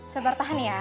sabar tahan ya